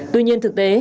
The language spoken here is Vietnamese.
tuy nhiên thực tế